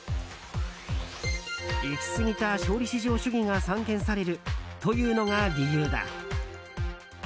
いき過ぎた勝利至上主義が散見されるというのが理由だ。